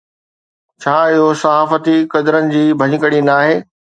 ڇا اهو صحافتي قدرن جي ڀڃڪڙي ناهي؟